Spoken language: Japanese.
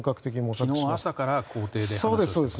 昨日朝から公邸で話していたという。